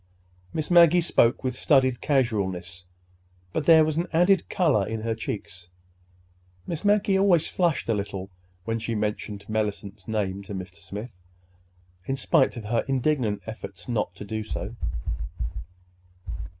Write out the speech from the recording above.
Miss Maggie spoke with studied casualness, but there was an added color in her cheeks—Miss Maggie always flushed a little when she mentioned Mellicent's name to Mr. Smith, in spite of her indignant efforts not to do so.